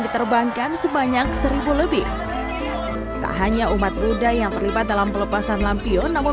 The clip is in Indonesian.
diterbangkan sebanyak seribu lebih tak hanya umat buddha yang terlibat dalam pelepasan lampion namun